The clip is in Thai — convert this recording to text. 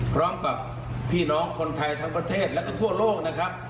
พร้อมกับพี่น้องคนไทยทั้งประเทศแล้วก็ทั่วโลกนะครับ